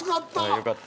よかった。